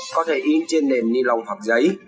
có thể in trên nền ni lông hoặc giấy